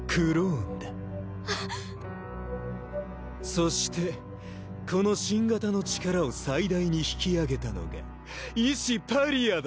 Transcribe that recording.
そしてこの新型の力を最大に引き上げたのが医師パリアだ。